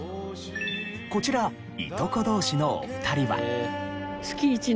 こちらいとこ同士のお二人は。